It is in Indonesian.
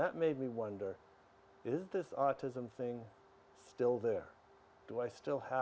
apakah keadaan itu masih mempengaruhi saya